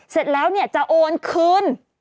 เสร็จแล้วเนี่ยจะโอนคืน